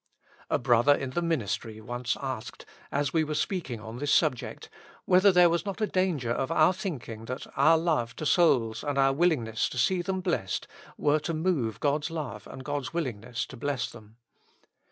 A brother in the ministry once asked, as we were speaking on this subject, 242 With Christ in the School of Prayer. whether there was not a danger of our thinking that that our love to souls and our willingness to see them blessed were to move God's love and God's willing ness to bless them.